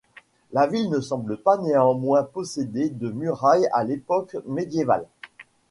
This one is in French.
La ville ne semble pas néanmoins posséder de murailles à l‘époque médiévale.